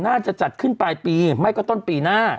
จัดขึ้นปลายปีไม่ก็ต้นปีหน้า